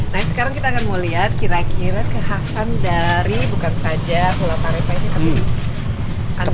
nah sekarang kita akan mau lihat kira kira kekhasan dari bukan saja pulau parepa ini tapi